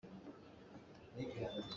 A hngawng ah hmelchunh a um.